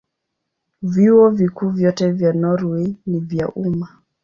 Vyuo Vikuu vyote vya Norwei ni vya umma.